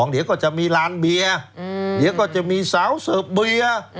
เดี๋ยวก็จะมีร้านเบียร์เดี๋ยวก็จะมีสาวเสิร์ฟเบียร์